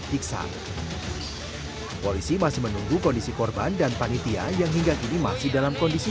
piksan polisi masih menunggu kondisi korban dan panitia yang hingga kini masih dalam kondisi